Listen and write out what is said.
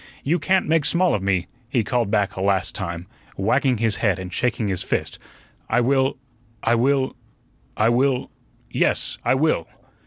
"You can't make small of me," he called back a last time, wagging his head and shaking his fist. "I will I will I will yes, I will."